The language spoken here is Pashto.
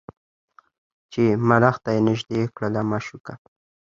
چي ملخ ته یې نیژدې کړله مشوکه